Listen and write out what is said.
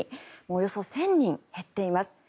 およそ１０００人減っています。